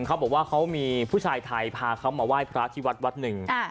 เขาบอกว่าเขามีผู้ชายไทยพาเขามาไหว้พระที่วัดวัดหนึ่ง